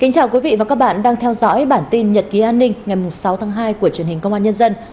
chào mừng quý vị đến với bản tin nhật ký an ninh ngày sáu tháng hai của truyền hình công an nhân dân